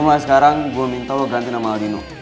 but malah sekarang gue minta lo ganti nama aldino